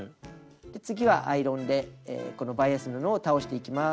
次はアイロンでこのバイアス布を倒していきます。